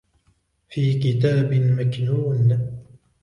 فِي كِتَابٍ مَكْنُونٍ